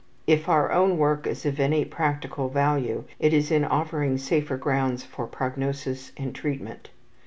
If our own work is of any practical value it is in offering safer grounds for prognosis and treatment.